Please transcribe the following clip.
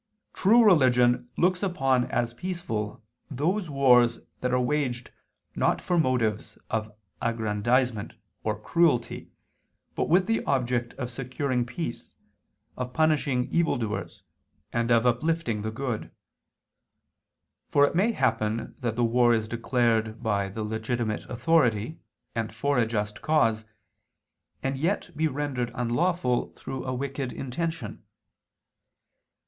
xxiii, qu. 1]): "True religion looks upon as peaceful those wars that are waged not for motives of aggrandizement, or cruelty, but with the object of securing peace, of punishing evil doers, and of uplifting the good." For it may happen that the war is declared by the legitimate authority, and for a just cause, and yet be rendered unlawful through a wicked intention.